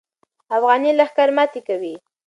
افغاني لښکر ماتې کوي.